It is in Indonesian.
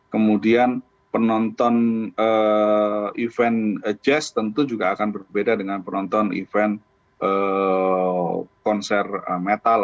kemudian penonton event jazz tentu juga akan berbeda dengan penonton event konser metal